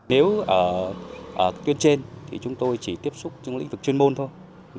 nếu tuyên trên thì chúng tôi chỉ tiếp xúc trong lĩnh vực chuyên môn thôi